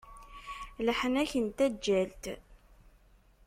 Leḥnak n taǧǧalt!